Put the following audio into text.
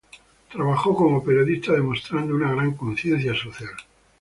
Trabajó como periodista, demostrando una gran conciencia social.